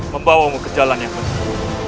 membawamu ke jalan yang penuh